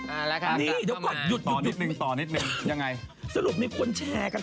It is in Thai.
อันนี้ยุด